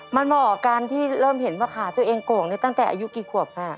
มันเหมาะกับการที่เริ่มเห็นว่าขาตัวเองโก่งตั้งแต่อายุกี่ขวบค่ะ